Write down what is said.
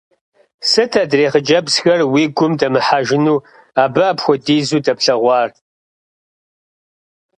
Сыт адрей хъыджэбзхэр уи гум дэмыхьэжыну, абы апхуэдизу дэплъэгъуар?